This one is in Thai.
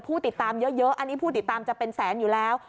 ผู้ติดตามเยอะอันนี้ผู้ติดตามจะเป็นแสนอยู่แล้ว